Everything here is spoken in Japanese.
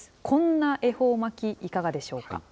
こんな恵方巻き、いかがでしょうか。